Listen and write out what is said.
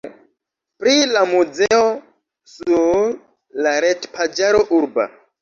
Pri la muzeo sur la retpaĝaro urba.